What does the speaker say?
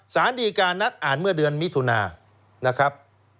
สารดีการนัดอ่านเมื่อเดือนมิถุนานะครับ